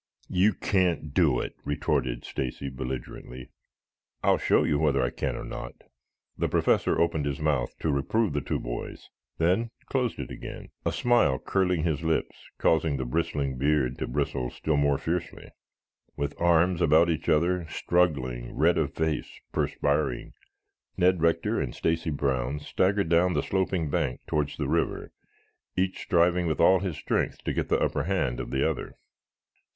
"You can't do it," retorted Stacy belligerently. "I'll show you whether I can or not." The Professor opened his mouth to reprove the two boys, then closed it again, a smile curling his lips, causing the bristling beard to bristle still more fiercely. With arms about each other, struggling, red of face, perspiring, Ned Rector and Stacy Brown staggered down the sloping bank towards the river, each striving with all his strength to get the upper hand of the other.